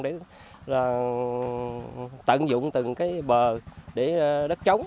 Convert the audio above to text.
để tận dụng từng cái bờ để đất trống